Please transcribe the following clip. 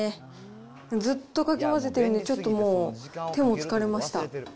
ずっとかき混ぜてるんで、ちょっともう、手も疲れました。